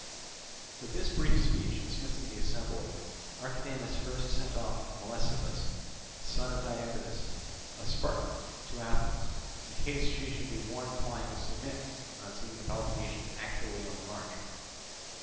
With this brief speech dismissing the assembly, Archidamus first sent off Melesippus, son of Diacritus, a Spartan, to Athens, in case she should be more inclined to submit on seeing the Peloponnesians actually on the march.